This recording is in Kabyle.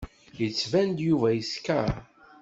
Yettban-d Yuba yeskeṛ.